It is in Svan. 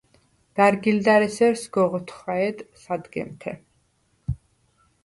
ბა̈რგილდა̈რ ესერ სგოღ ოთხვაჲედ სადგემთე.